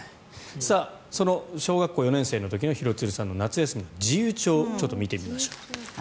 その小学校４年生の時の廣津留さんの夏休みの自由帳をちょっと見てみましょう。